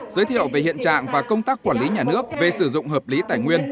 giới thiệu về hiện trạng và công tác quản lý nhà nước về sử dụng hợp lý tài nguyên